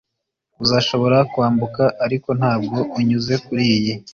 uzashobora kwambuka ariko ntabwo unyuze kuriyi